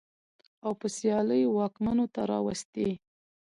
او په سيالۍ واکمنو ته راوستې.